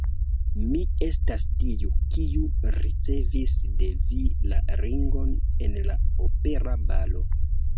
Mi estas tiu, kiu ricevis de vi la ringon en la opera balo.